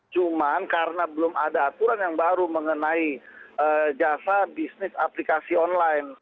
cuma karena belum ada aturan yang baru mengenai jasa bisnis aplikasi online